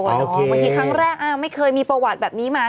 บางทีครั้งแรกไม่เคยมีประวัติแบบนี้มา